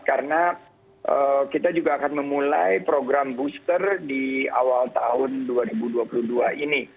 karena kita juga akan memulai program booster di awal tahun dua ribu dua puluh dua ini